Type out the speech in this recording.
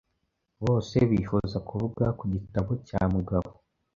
Bose bifuza kuvuga ku gitabo cya Mugabo.